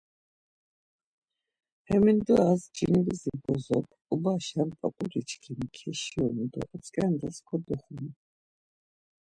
Hemindoras Cinivizi bozok ubaşen p̌ap̌uli çkuni keşionu do oç̌ǩendas kodoxunu.